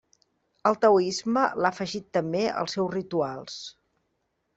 El Taoisme l'ha afegit també als seus rituals.